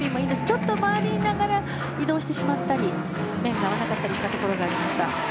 ちょっと回りながら移動してしまったり面が合わなかったりしたところがありました。